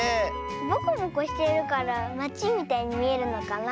ボコボコしてるからまちみたいにみえるのかな。